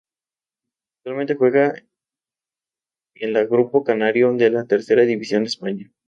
Actualmente juega en la grupo canario de la Tercera División de España.